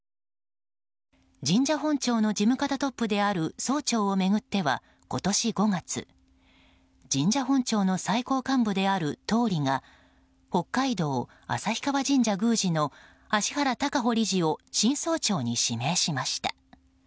神社本庁の事務方トップである総長を巡っては今年５月、神社本庁の最高幹部である統理が北海道旭川神社宮司の芦原高穂理事を新総長に指名しました。